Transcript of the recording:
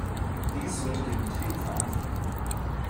Dies sollte den Betrieb vereinfachen.